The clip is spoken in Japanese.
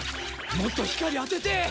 もっと光当てて。